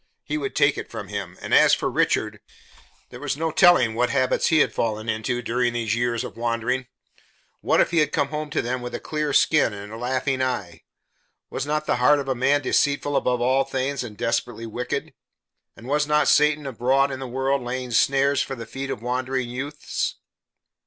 He would take it from him. And as for Richard there was no telling what habits he had fallen into during these years of wandering. What if he had come home to them with a clear skin and laughing eye! Was not the "heart of man deceitful above all things and desperately wicked"? And was not Satan abroad in the world laying snares for the feet of wandering youths?